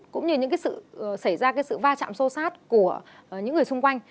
cũng như những cái sự xảy ra cái sự va chạm sô sát của những người xung quanh